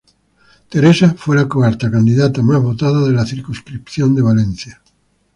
Teresa fue la cuarta candidata más votada de la circunscripción de Valencia.